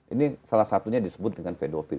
ini salah satunya disebut dengan pedofil